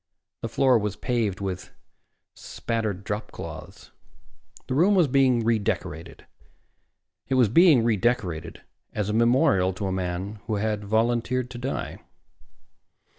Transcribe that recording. The floor was paved with spattered dropcloths. The room was being redecorated. It was being redecorated as a memorial to a man who had volunteered to die.